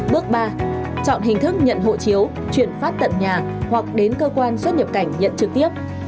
bước ba chọn hình thức nhận hộ chiếu chuyển phát tận nhà hoặc đến cơ quan xuất nhập cảnh nhận trực tiếp